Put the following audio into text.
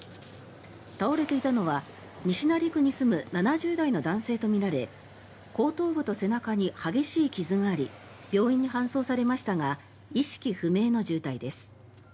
倒れていたのは、西成区に住む７０代の男性とみられ後頭部と背中に激しい傷があり病院に搬送されましたが意識不明の重体です。